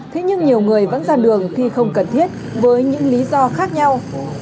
thế nhưng nhiều người vẫn ra đường khi không cần thiết với những lý do khác nhau